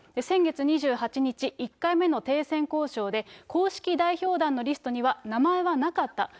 先月２８日、１回目の停戦交渉で、公式代表団のリストには名前はなかった。